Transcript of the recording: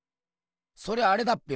そりゃあれだっぺよ